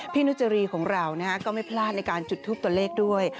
นุจรีของเราก็ไม่พลาดในการจุดทูปตัวเลขด้วย